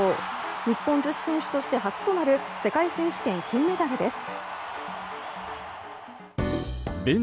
日本女子選手として初となる世界選手権金メダルです。